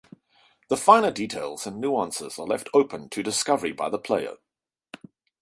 The finer details and nuances are left open to discovery by the player